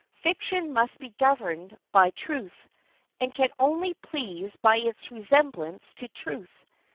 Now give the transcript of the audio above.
Fiction must be governed by truth, and can only please by its resemblance to truth.